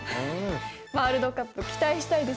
ワールドカップ期待したいです！